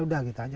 udah gitu aja